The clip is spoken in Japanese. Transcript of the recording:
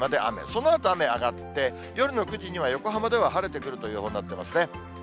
そのあと雨上がって、夜の９時には、横浜では晴れてくるという予報になってますね。